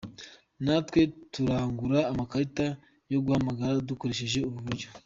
Natwe turangura amakarita yo guhamagara dukoresheje ubu buryo.